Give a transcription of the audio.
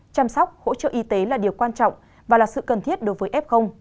chăm sóc hỗ trợ y tế là điều quan trọng và là sự cần thiết đối với f